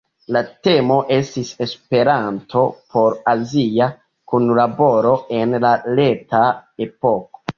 La temo estis "Esperanto por azia kunlaboro en la reta epoko!